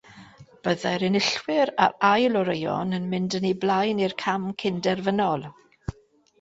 Byddai'r enillwyr a'r ail oreuon yn mynd yn eu blaen i'r cam cynderfynol.